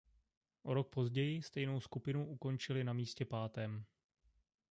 O rok později stejnou skupinu ukončili na místě pátém.